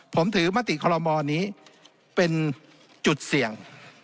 ผมถือมติคอลโมนี้เป็นจุดเสี่ยง